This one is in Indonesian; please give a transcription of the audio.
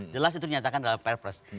jelas itu dinyatakan dalam perpres